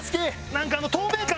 なんかあの透明感。